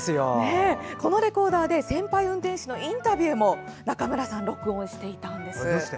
このレコーダーで、先輩運転士のインタビューも録音していたんです。